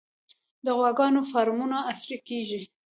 د غواګانو فارمونه عصري کیږي